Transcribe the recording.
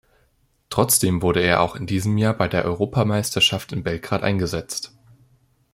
Trotzdem wurde er auch in diesem Jahr bei der Europameisterschaft in Belgrad eingesetzt.